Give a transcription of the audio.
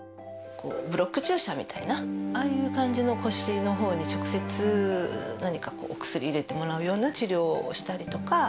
ブロック注射みたいな、ああいう感じの腰のほうに直接何かこう、お薬入れてもらうような治療をしたりとか。